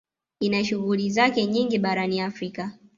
Ina shughuli zake nyingi barani Afrika